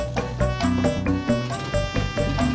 sampai jumpa lagi